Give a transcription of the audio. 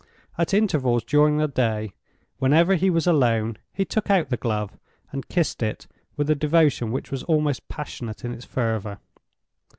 At intervals during the day, whenever he was alone, he took out the glove and kissed it with a devotion which was almost passionate in its fervor.